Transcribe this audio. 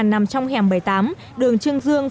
nằm trong hẻm bảy mươi tám đường trương dương